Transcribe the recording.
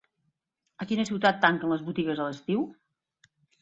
A quina ciutat tanquen les botigues a l'estiu?